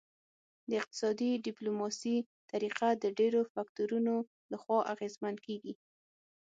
د اقتصادي ډیپلوماسي طریقه د ډیرو فکتورونو لخوا اغیزمن کیږي